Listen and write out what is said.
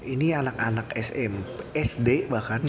ini anak anak smp sd bahkan